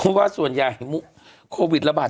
เพราะว่าส่วนใหญ่โควิดระบาด